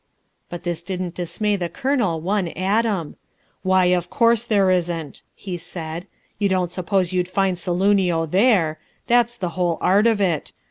But this didn't dismay the Colonel one atom. "Why, of course there isn't," he said. "You don't suppose you'd find Saloonio there! That's the whole art of it!